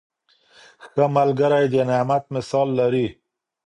ښه ملګری د نعمت مثال لري.